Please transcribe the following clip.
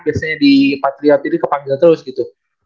biasanya di patriot ini kepanggil terus gitu